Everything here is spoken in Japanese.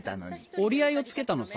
折り合いをつけたのさ。